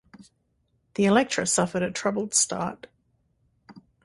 The Electra suffered a troubled start.